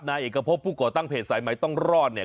นายเอกพบผู้ก่อตั้งเพจสายใหม่ต้องรอดเนี่ย